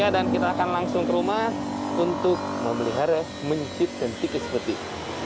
dan kita akan langsung ke rumah untuk memelihara mencit dan tikus putih